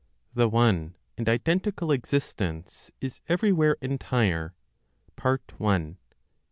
The One and Identical Existence is Everywhere Entire, I, vi.